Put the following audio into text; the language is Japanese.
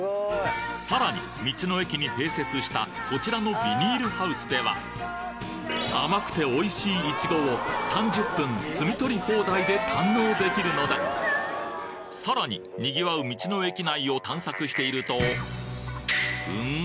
さらに道の駅に併設したこちらのビニールハウスでは甘くておいしいイチゴを３０分摘み取り放題で堪能できるのださらに賑わう道の駅内を探索しているとん！？